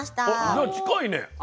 じゃあ近いね私。